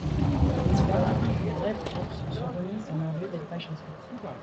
Les oies après une brève course sont remises dans leurs lieux d'élevage respectifs.